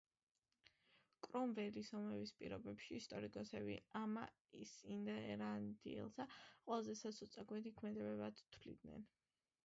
კრომველის ომების პირობებში, ისტორიკოსები ამას ირლანდიელთა ყველაზე სასოწარკვეთილ მოქმედებად თვლიან.